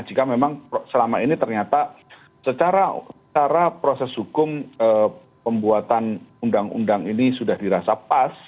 jika memang selama ini ternyata secara proses hukum pembuatan undang undang ini sudah dirasa pas